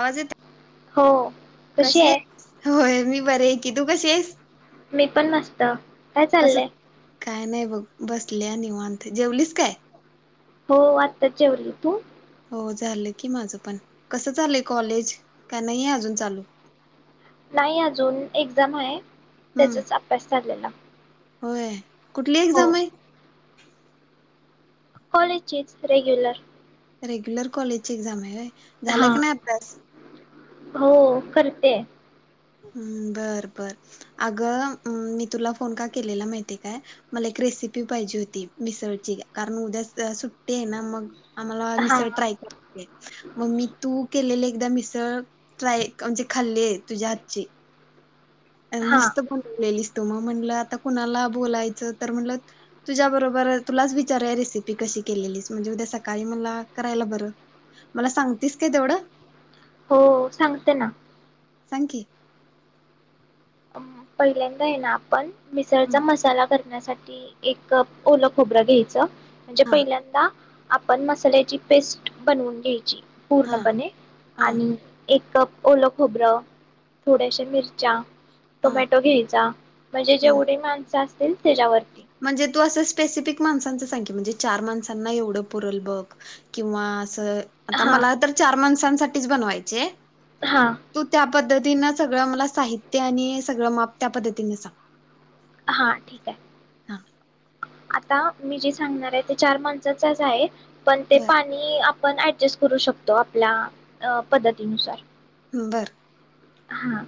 आवाज येत होओ कशी हे होय मी बरी. कि तू कशीे आहेस? मी पण मस्त. काय कसं चाललंय काय नाही बघ. बसल्या निवांत जेवलीस काय. हो आताच जेवली तू? हो झालं की माझं पण कस चाललंय कॉलेज, का नही अजून चालू. नाही अजून एक्झाम आहे. हम्म त्याचाच अभ्यास चाललय ना. होय. कुठली एक्झाम आहे. कॉलेजचीच रेग्युलर. रेग्युलर कॉलेज ची एक्झाम हाय? झाला हां की नाही अभ्यास? हो करतेय. हम् बर बर, अगं, मी तुला फोन का केलेला माहितीेय काय, मला एक रेसिपी पाहिजे होती मिसळची कारण उद्या सुट्टी आहे ना मग आम्हाला हां मिसळ ट्राय, [unintelligible] मग मी तू केलेले एकदा मिसळ ट्राय, म्हणजे खाल्ले तुझ्यात ची. अं हां मस्त बनवलेली. त मं म्हणलं आता कुणाला बोलायचं, तर म्हणलं तुझ्या बरोबर तुलाच विचारुया रेसिपी कशी केलेलीस? म्हणजे उद्या सकाळी मला करायला बरं. मला सांगतीस काय तेवढं? हो सांगते ना. सांग की. पहिल्यांदा आहे ना आपण मिसळचा हं, मसाला क ण्या साठी एक कप ओलं खोबरं घ्यायचं. म्हणजे हा पहिल्यांदा आपण मसाल्याची पेस्ट बनवून घ्यायची. हा पूर्णपणे हा आणि एक कप ओलं खोबरं थोड्याश्या मिरच्या हा टोमॅटो घ्यायचा म्हणजे हम्म जेवढी माणसं अस तील तेज्यावर म्हणजे तू असं स्पेसिफिक माणसांचं सांग की, म्हणजे चार माणसांना एवढं पुरल बघ किंवा अस आता हां मला तर चार माणसां साठीच बनवायचिये. हां तु त्या पद्धतीन सगळं मला साहित्य आणि सगळं माप त्या पद्धतीन सांग. हा ठीक हाय. हा. आता मी जे सांगणार आहे ते चार माणसा माणसांचच आहे. पण ते बर पाणी आप पण ऍडजस्ट करू शकतो आपल्या अ पद्धतीनुसार. हम्म बर. हा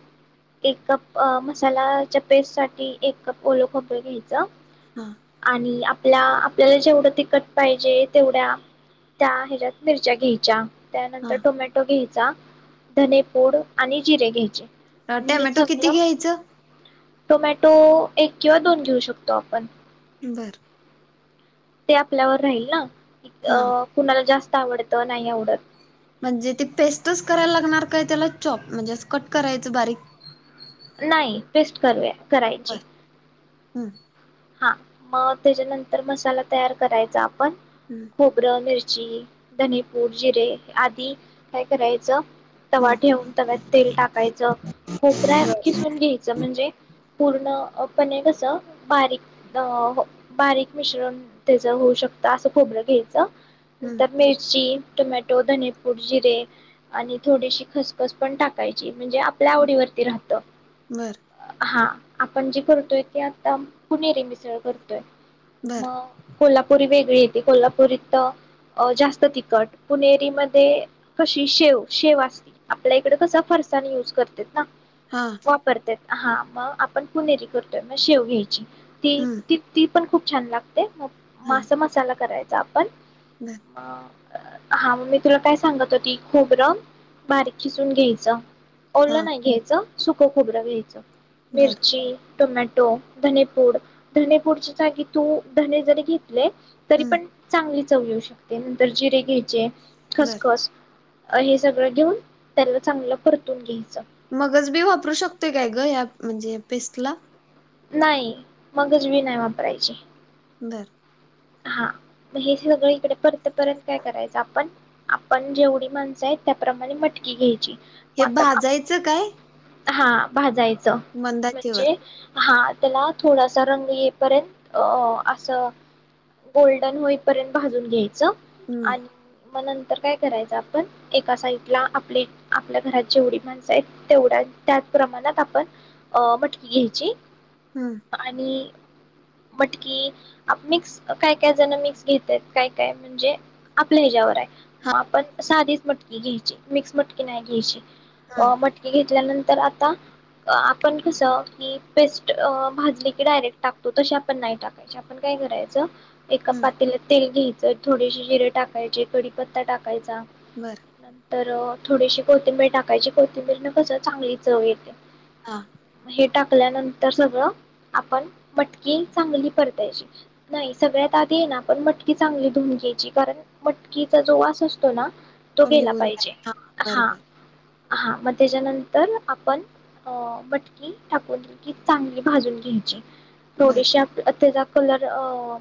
एक कप मसालाच्या पेस्ट साठी एक कप ओल खोबर घ्यायचं. हा आणि आप ला आपल्याला जेवढं तिखट पाहिजे, तेवढ्या त्या ह्याच्यात मिरच्या घ्याय च्या, त्यानंतर टोमॅटो घेय चा धने पुड आणि जिरे घ्यायचे. आ आणि हे टॅमॅटो किती सगळं घ्यायचं. टोमॅटो एक किंवा दोन घेऊ शकतो आपण. बरं. ते आपल्यावर राहील ना. अ हा कुणाला जास्तं. आवडतं नाही आवडत. म्हणजे ती पेस्टच करायला लागणार काय त्याला चॉप म्हणजे कट करायचं बारीक? नाही पेस्ट करूया. बर करायचे. हम्म. हा मग त्याच्यानंतर मसाला तयार करायचा. पण हम्म खोबरं मिरची. जि धनेपूड जिरे आदी काय करायचं. तवा हम्म ठेवून तव्यात तेल टाकायचं खोबर हम्म खिसून घ्यायचं म्हणजे पूर्ण अप- पनीर कसं बारीक. अ हो बारीक मिश्रण त्याच होऊ शकतं असं खोबरं घ्यायचं. नंतर मिरची. टोमॅटो धनेपूड जिरे आणि थोडीशी खसखस पण टाकायची. म्हणजे आपल्या हम्म. आवडीवरती राहत, बर हा. आपण जी करतोय ती आता पुणेरे मिसळ करतोय. बर मग कोल्हापुरी वेगळी ये कोल्हापूर इथ जास्त तिखट पुणेरीमध्ये कशी शेव, शेव असते आपल्या इकडे कसं, फरसाण युज्व करतेत ना. हा वापरतेत. हा मग आपण पुणेरी करतोय मग शेव घ्यायची. हम्म [unintelligible] पण खूप छान लागत ते मग हा मास मसाला करायचा [unintelligible] बर हा. हा मगं मी तुला काय सांगत होती, खोबरं बारीक खिसुन घ्यायचं., हा ओलं नाही घ्यायचं. सुक खोबर घ्यायच., बर मिर्ची. टोमॅटो धने पुड धने च्या जागी तू धने जरी घे ले तरी हम्म पण चांगली चव येऊ शकते. नंतर जिरे घ्यायचे बर खस खस अ हे सगळं घेऊन त्याला चांगलं परतून घ्यायचं. मगज बी वापरू शकतोय काय ग या म्हणजे या पेस्टला नाही मगजबी नाही वापरायची. बर हा मग हे सगळं इकडे परतेपर्यंत काय करायचं आपण, आपण जेवढी माणसं आहेत त्याप्रमाणे मटकी घ्यायची. हे मग आता भाजायचं काय? हा भाजाय च मंदाचेवर म्हणजे हा त्याला थोडासा रंग येइपर्यंत अअ असं गोल्डन होईपर्यंत भाजून घ्यायचं. हम्म आणि म नं तर काय करायचं आपण एका साईडला आपली आपल्या घरात जेवढी माणसं आहेत. तेवढ्या त्या प्रमाणात आपण अ मटकी घ्यायची. हम्म आणि मटकी आप मिक्स काय काय जण मिक्स घेतात. काय काय म्हणजे आपल्या ह्याच्यावर हाय. हा मग आपण साधीच मटकी घ्यायची मिक्स मटकी नाय घ्यायची. हा अ मटकी घेतल्यानं तर आता आपण कसं की पेस्ट भाजली की डायरेक्ट टाकतो तशी आपण नाय टाकायची आपण काय करायचं. एका हम्म पातीलात तेल घ्येय त्यात थोडेसे जिरे टाकायचे. कडीपत्ता टाकायचा. बर तर थोडीशी कोथिंबीर टाकायची. कोथिंबीर न कसं चांगली चव येते. हा हे टाकल्यानंतर सगळं आपण मटकी चांगली परतायची नाही सगळ्यात आधी ये ना पण मटकी चांगली धुवून घायची. कारण मटकीचा जो वास असतो ना तो गेला निघुन पाहिजे. काय [unintelligible] हा बरोबर हा मग त्याच्यानंतर आपण अ मटकी टाकून दिली की चांगली भाजून घ्यायची. बर थोडीशे आप तेज्यात कलर अ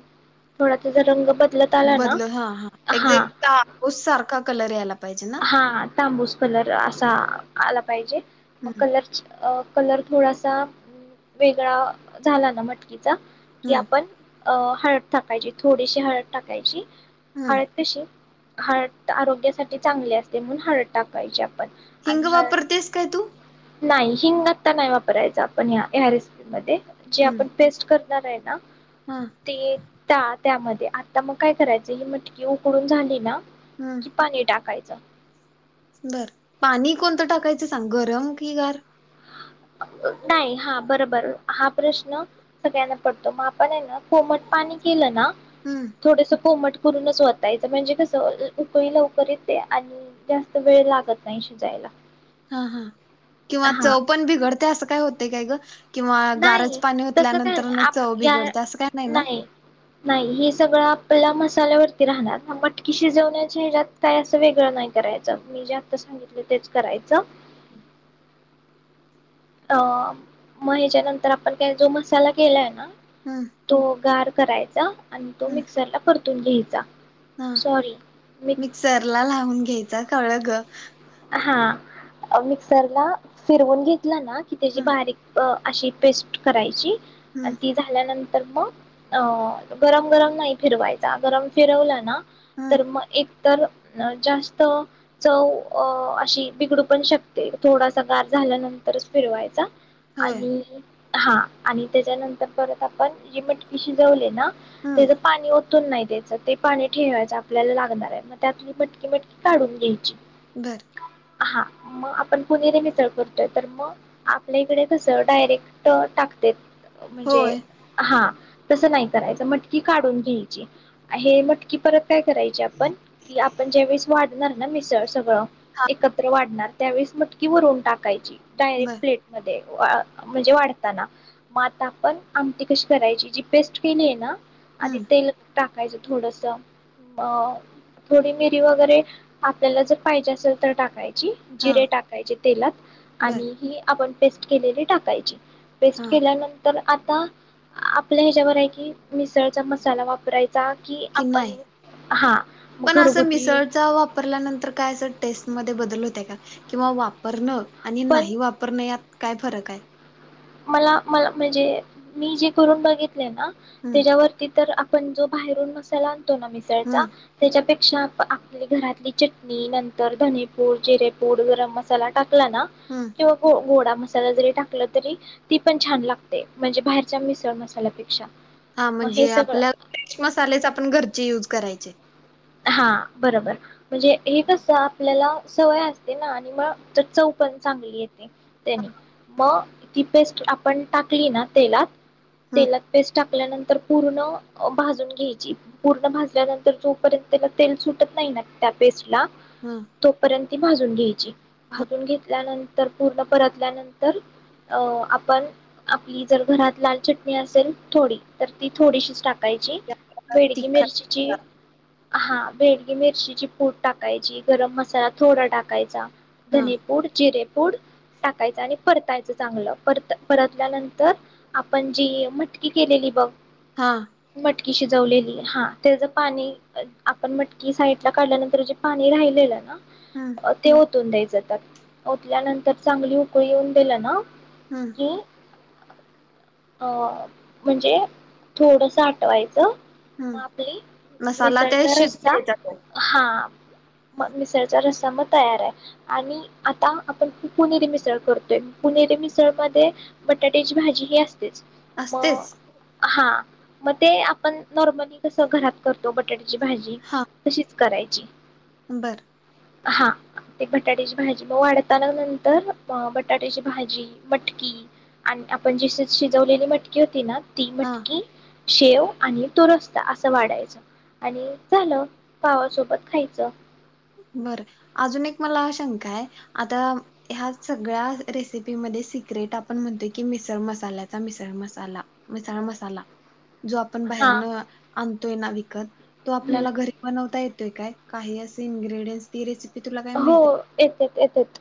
थोडा तुझ रंग बद बदलत हा हा एक्झॅक्ट ताबूस सारखा कलर यायला पाहिजे ना हा तांबूस कलर असा आला पाहिजे. मग हम्म कलरची अ कलर थोडासा वेगळा झाला ना मटकीत की हम्म आपण अ हळद टाकायची थोडीशी हळद टाकायची हम्म आतेशी हार्ट आरोग्यासाठी चांगले असते म्हणून हळद टाकायची आपण हिंग आणि हळद वापरतेस काय तू नाही हिंगत्ता नाही वापरायचा आपण ह ह्या रेसिपीमध्येध्ये जे हम्म आपण पेस्ट करो आहे ना हा ते ट त्यामध्ये आता मग काय करायचं ही मटकी उकडून झाली ना हम्म कि पाणी टाकायचं अच्छ बर पाणी कोणतं टाकायचं सांग गरम कि गार नाही हा बरोबर हा प्रश्न सगळ्यांना पडतो मग पण आहे ना कोमट पाणी केलं ना हम्म थोडस कोमट करूनच वतायचं म्हणजे कसं उकळी लवकर येत ते आणि जास्त वेळ लागत नाही शिजायला हा हा किंवा हा चव पण बी घडत ते असं काय होतय काय ग किंवा गारज नाही पाणी तस काय ओतल्यानंतर न चव नाही या बिघडते असं काय ना? नाही नाही हे सगळं पला मसाल्यावरती राहणार मटकी शिजवण्याचे हच्यात काय असं वेगळं नाही करायचं मी जे आता सांगितलं तेच करायच अ मग ह्याच्या नंतर आपण काय जो मसाला केलाय ना हम्म तो गार करायचं आणि तो हम्म मिक्सरला पडतो घ्यायचा हा सॉरी मी मिक्सरला लावून घ्यायच कळग हा मिक्सरला फिरवून घेत ला ना की तेची हम्म बारीक अशी पेस्ट करायची हम्म ती झाल्यानंतर तर मग गरम गरम नाही फिरवायचा गरम फिरवला ना हम्म तर मग एक तर जास्त चव अ अशी बिघडू पण शकते थोडासा गार झाल्यानंतरच फिरवायचा. होय आणि. हा आणि त्याच्यानंतर परत आपण ही मटकी शिजवले ना. हम्म तेज पाणी ओ ओतून नाही द्यायचं ते पाणी ठेवायचं आपल्याला लागणार आहे मग त्यातली मटकी मटकी काढून घ्यायची. घर. हा मग आपणपुणेरी मिसळ करतोय तर मग आपल्या इकडे कस डायरेक्ट टाकतय. म्हणजे, होय हा. तस नाही करायच मटकी काढून घ्यायची, हे मटकी परत काय करायची आपण कि आपण ज्या वेळेस वाढणार ना मिसळ सगळं. एकत्र वाड त्यावेळेस मटकी भरून टाकायची. डायरेक्ट बर प्लेटमध्ये. म्हणजे वाढताना म आता आपण आमटी कशी करायची जी पेस्ट केली आहेना. आदि हम्म तेल. टाकायच थोडस आ थोडी मिरी वगैरे आपल्याला जर पाहिजे अस नंतर टाकाय जी, हा जिरे टाकायचे तेलात बर आणि ही आपण पेस्ट केलेली टाकायची. हा पेस्ट केल्यानंतर आता आता आपल्या ह्याच्यावर आहे, कि मिसळचा मसाला वापरायचा. की कि आपण नाय, हा मग पण अस घरगुती मिसळ वापरल्यानंतर काय अस टेस्ट मध्ये बदल होत काय किंवा वापरण. आणि पण नाही वापरणे यात काय फरक आहे. मला मला म्हणजे मी जे करून बघित [unintelligible] हम्म त्याच्यावरती तर पण जो बाहेरून मसाला आण आणतो मिसळचा हम्म त्याच्यापे त्यापेक्षा आपली घरातली चटणी नंतर धनेपूड, जिरेपूड, गरम मसाला टाक टाकला ना, हम्म किंवा गोडा मसाला जरी टाकलत. तरी ती पण छान लागते म्हणजे बाहेरच्या मिसळ मसाल्यापेक्षा. हा मग हे म्हणजे सगळं आपल्या मसालेच आपण घरचे युज करायचे. हा बरोबर म्हणजे हे कस आपल्याला सवय असते ना आणि मग तर चव पण चांगली येते त्यानी मग ती पेस्ट आपण टाकली ना तेलात हम्म तेलात पेस्ट टाकल्यानंतर पूर्ण भाजून घ्यायची पूर्ण भाजल्यानंतर तोपर्यंत त्याला तेल सुटत नाही ना त्या पेस्ट ला हम्म तोपर्यंत भाजून घ्यायची भाजून घेतल्यानंतर पूर्ण परतल्यानंतर अ आपण आपली जर घरात लाल चटणी असेल थोडी तर ती थोडीशी स्टा टाकायची त्या बेडगी तिखट मिरचीची हा बेडगी मिरचीची पूड टाकायची गरम मसाला थोडा टाकायचा हा धनीपूर जिरे ूड टाकायचं आणि परतायचं चांगलं परत परतल्यानंतर आपण जी मटकी केलेली बघ हा मटकी शिजवलेली हा त्याच पाणी आपण मटकी साईडला काढल्यानंतर जे पाणी राहिलेलं हम्म ना ते व त द्याय जातात ओतल्यानंतर चांगली उकळी येऊन दिला ना हम्म की अ म्हणजे थोडस आटवायचं हम्म मापली मसाला ते विसरायचा शिजू रस्ता द्यायचा तो हा आ म मिसळचा रस्सा म तयार आय आणि आता आपण पुनेरी मिसळ करतोय पुनेरी मिसळ मध्ये बटाट्याची भाजी ही असते तेच मग असतेच हा मग ते आपण नॉर्मली कसं घरात करतो बटाट्या भाजी तशीच करायची ं बर हा ते बटाट्याची भाजी मग वाढताना नंतर बटाट्याची भाजी मटकी आणि आपण जी शिजवलेली मटकी होती ना ती हा मटकी शेव आणि तुरस्ता असं वाढायच आणि झालं पावासोबत खायचं बर अजून एक मला शंका हाय आता ह्या सगळ्या रेसिपीमध्ये सिक्रेट आपण म्हणतोय की मिसळ मसाल्याचा मिसळ मसाला मिसळ मसाला जो आपण हा बाहेरनं आणतोय ना विकत तो हम्म आपल्याला घरी बनवता येत ते काय काही अस इन्ग्रेडियंस ती रेसिपी हो येत येत. येत.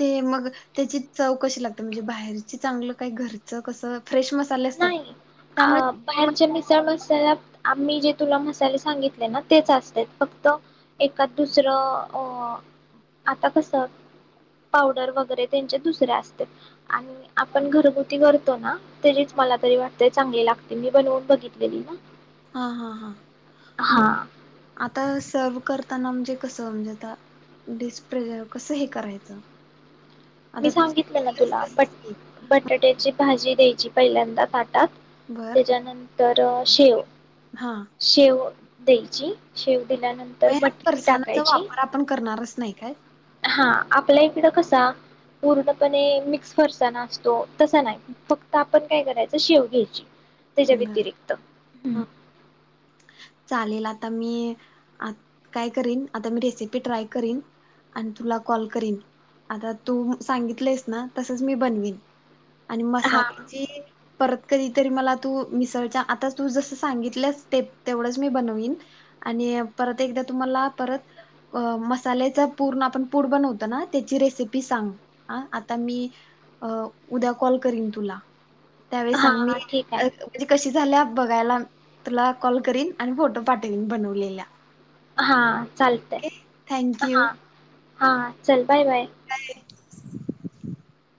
ते मग त्याची चव कशी लागते म्हणजे बाहेरची चांगलं काय घरचं कसं फ्रेश मसाले असतात. नाही अ त्यामुळे बाहेरच्या मिसळ मसाल्यात आम्ही जे तुला मसाले सांगितले ना तेच असत्यात फक्त एखाद दुसरं, अ आता कस पावडर वगैरे त्यांचे दुसरे असत्यात आणि आपण घरगुती करतो ना,. तेजीच मला तरी वाटतेय चांगली लागते मी बनवून बघितलेली ना. हा हा हा मगं हा आता सर्व. करताना म्हणजे कस म्हणजे आता डीसप्रेर कस हे करायचं. मी आता तू सांगितलं ना सांगितलंस तुला ब तसच की बटाट्याची भाजी द्यायची जी पहिल्यांदा. बर तेच्या नंतर तर शिव,. हा मग शेव. दहीची शेव, केल्या नंतर ह्या मटकी फरसाणाचा टाकायची वापर आपण करणारच नाही काय हा आपल्या ही तिथ कसां? पूर्णपणे मिक्स फरसाना असतो तसा नाय फक्त आपण काय करायचं शेव घ्यायचं त्याच्या बर. व्यतिरिक्त चालेल आता मी आत काय करीन आता, मी रेसिपी ट्राय करीन, आणि तुला कॉल करीन, आता तू सांगितलंयस ना तसच मी बनवीन. आणि हा मसाल्याची परत कधी तरी मला तू मिसळच्या आता तू जस सांगितल्यास ते तेवढंच मी बनवीन आणि परत एकदा तुम्हाला, परत मसाल्याचा पूर्ण आपण पूर बनवतो., ना त्याची रेसिपी सांग अ आता मी उद्या कॉल करीन तुला. त्यावेळेस सांग मी हा ठीक अ आहे म्हणजे कशी. झाल्या बघायला तुला कॉल करीन आणि फोटो पाठविन बनवलेल्या हा चालतयं ओके थँक हा. यू. हा चल बाय बाय. [unintelligible]